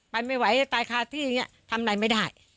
ไปไม่ไหวจะตายคาที่อย่างนี้ทำอะไรไม่ได้